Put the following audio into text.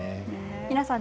皆さん